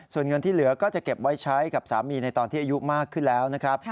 ส่วนเงินที่เหลือก็จะเก็บไว้ใช้กับสามีในตอนที่อายุมากขึ้นแล้วนะครับ